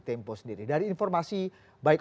tempo sendiri dari informasi baik